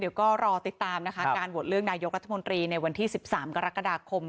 เดี๋ยวก็รอติดตามนะคะการโหวตเลือกนายกรัฐมนตรีในวันที่๑๓กรกฎาคม